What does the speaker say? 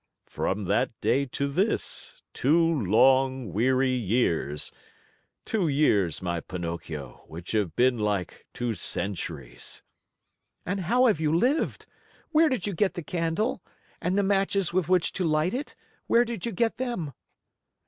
"From that day to this, two long weary years two years, my Pinocchio, which have been like two centuries." "And how have you lived? Where did you find the candle? And the matches with which to light it where did you get them?"